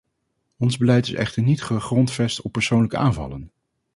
Ons beleid is echter niet gegrondvest op persoonlijke aanvallen.